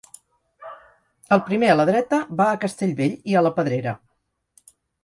El primer a la dreta va a Castellvell i a la pedrera.